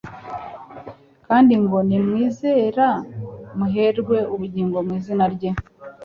Kandi ngo nimwizera muherwe ubugingo mu izina rye'.